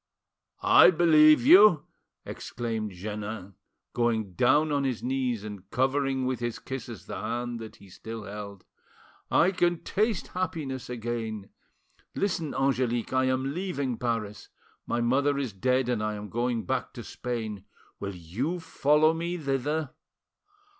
"I believe you!" exclaimed Jeannin, going down on his knees and covering with his kisses the hand he still held. "I can taste happiness again. Listen, Angelique. I am leaving Paris; my mother is dead, and I am going back to Spain. Will you follow me thither?"